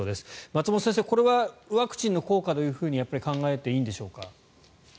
松本先生これはワクチンの効果とやっぱり考えていいんでしょうか。